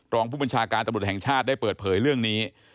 รองผู้บัญชาการตำรวจแห่งชาติได้เปิดเผยเรื่องนี้